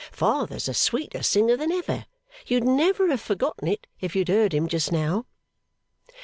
Father's a sweeter singer than ever; you'd never have forgotten it, if you'd aheard him just now.